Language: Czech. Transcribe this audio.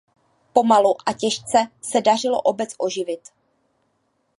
Pomalu a těžce se dařilo obec oživit.